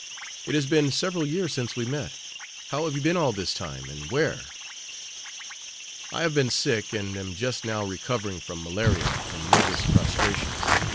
"It has been several years since we met. How have you been all this time, and where?" "I have been sick, and am just now recovering from malaria and nervous prostration.